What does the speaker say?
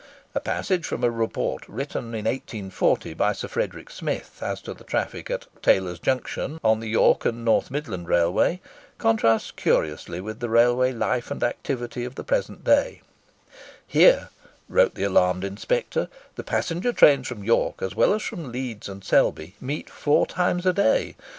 A passage from a Report written in 1840 by Sir Frederick Smith, as to the traffic at "Taylor's Junction," on the York and North Midland Railway, contrasts curiously with the railway life and activity of the present day:—"Here," wrote the alarmed Inspector, "the passenger trains from York as well as Leeds and Selby, meet four times a day.